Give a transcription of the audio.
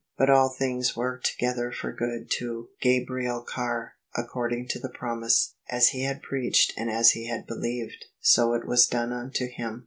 But all things worked together for good to Gabriel Carr, according to the promise : as he had preached and as he had believed, so it was done unto him.